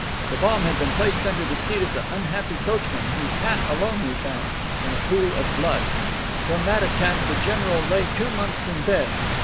The bomb had been placed under the seat of the unhappy coachman, whose hat alone we found, in a pool of blood. From that attack the general lay two months in bed.